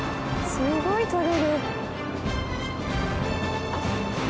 すごいとれる。